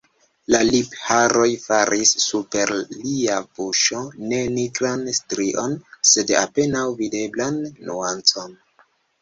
La lipharoj faris super lia buŝo ne nigran strion, sed apenaŭ videblan nuancon.